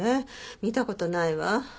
見た事ないわ。